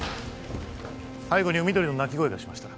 背後に海鳥の鳴き声がしました